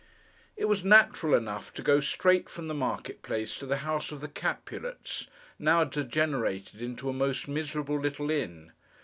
It was natural enough, to go straight from the Market place, to the House of the Capulets, now degenerated into a most miserable little inn.